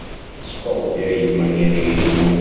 Scoppia il manierismo.